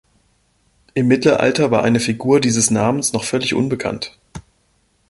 Im Mittelalter war eine Figur dieses Namens noch völlig unbekannt.